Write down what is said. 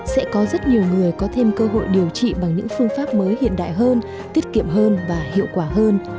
sẽ có rất nhiều người có thêm cơ hội điều trị bằng những phương pháp mới hiện đại hơn tiết kiệm hơn và hiệu quả hơn